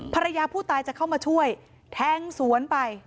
ภรรยาผู้ตายจะเข้ามาช่วยแทงสวนไป